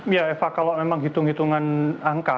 ya eva kalau memang hitung hitungan angka